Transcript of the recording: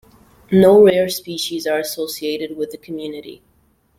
No rare species are associated with the community.